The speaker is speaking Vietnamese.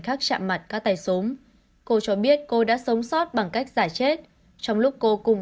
khác chạm mặt các tay súng cô cho biết cô đã sống sót bằng cách giải chết trong lúc cô cùng